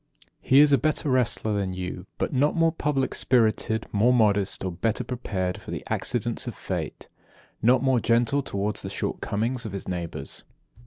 52. He is a better wrestler than you, but not more public spirited, more modest, or better prepared for the accidents of fate; not more gentle toward the short comings of his neighbours.